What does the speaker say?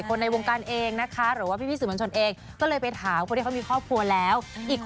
ในวงการเองนะคะหรือว่าพี่สื่อมวลชนเองก็เลยไปถามคนที่เขามีครอบครัวแล้วอีก